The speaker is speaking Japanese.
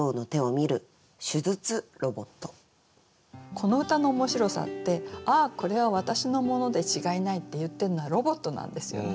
この歌の面白さって「ああこれは私の物で違いない」って言ってるのはロボットなんですよね。